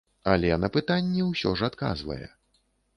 Але на пытанні ўсё ж адказвае.